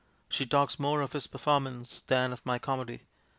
She talks more of his perform ance than of my comedy.